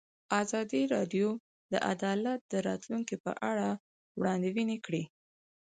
ازادي راډیو د عدالت د راتلونکې په اړه وړاندوینې کړې.